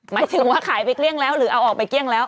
หมายถึงว่าขายไปเกลี้ยงแล้วหรือเอาออกไปเกลี้ยงแล้ว